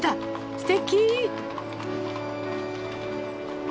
すてき！